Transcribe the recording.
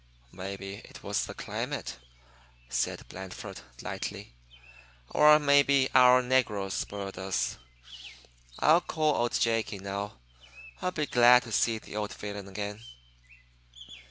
"Maybe it was the climate," said Blandford, lightly, "or maybe our negroes spoiled us. I'll call old Jake in, now. I'll be glad to see the old villain again."